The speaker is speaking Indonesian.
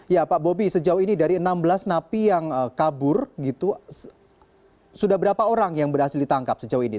ya pak bobi sejauh ini dari enam belas napi yang kabur gitu sudah berapa orang yang berhasil ditangkap sejauh ini